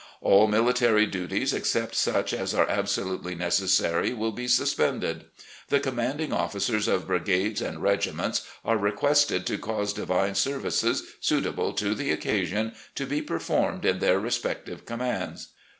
All military duties, except such as are absolutely necessary, will be suspended. The commanding officers of brigades and regiments are requested to cause divine services, suitable to the occasion, to be performed in their respective commands.